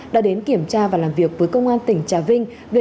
đã đến kiểm tra và làm việc với công an tỉnh trà vinh